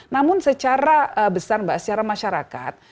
namun secara besar mbak secara masyarakat